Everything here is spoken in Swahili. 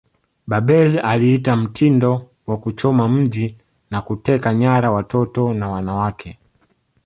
Babel aliita mtindo wa kuchoma mji na kuteka nyara watoto na wanawake